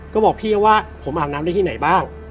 ก็บอกพี่ว่าผมอาบน้ำได้ที่ไหนบ้าง